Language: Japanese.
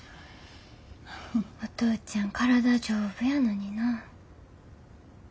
お父ちゃん体丈夫やのにな。